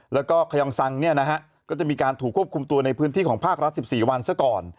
แล้วก็ขยองสังก็จะมีการถูกควบคุมตัวในพื้นที่ของภาครัฐ๑๔วันซะก่อน